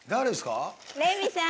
レミさん！